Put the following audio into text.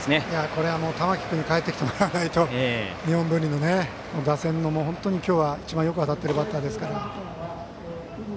これは玉木君に帰ってきてもらわないと日本文理の打線の一番よく当たっているバッターですから。